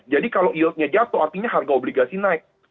jadi kalau yieldnya jatuh artinya harga obligasi naik